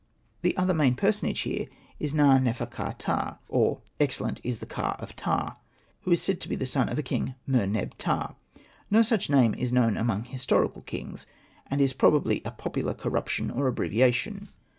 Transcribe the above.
The other main personage here is Na.nefer. ka.ptah (or " Excellent is the ka of Ptah "), who is said to be the son of a King Mer.neb. ptah. No such name is known among his torical kings ; and it is probably a popular corruption or abbreviation.